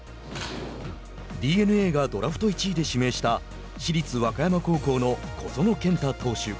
ＤｅＮＡがドラフト１位で指名した市立和歌山高校の小園健太投手。